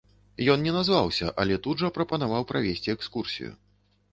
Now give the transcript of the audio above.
Ён не назваўся, але тут жа прапанаваў правесці экскурсію.